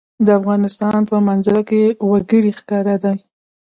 د افغانستان په منظره کې وګړي ښکاره ده.